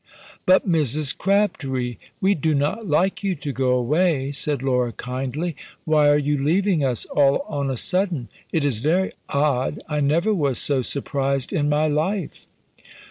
"But, Mrs. Crabtree! we do not like you to go away," said Laura, kindly. "Why are you leaving us all on a sudden? it is very odd! I never was so surprised in my life!"